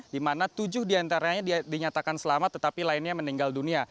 di mana tujuh diantaranya dinyatakan selamat tetapi lainnya meninggal dunia